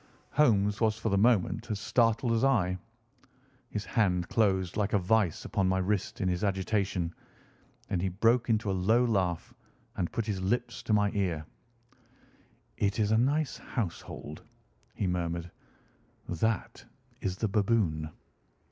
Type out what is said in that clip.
Holmes was for the moment as startled as I. His hand closed like a vice upon my wrist in his agitation. Then he broke into a low laugh and put his lips to my ear. "It is a nice household," he murmured. "That is the baboon."